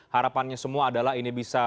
harapannya semua adalah ini bisa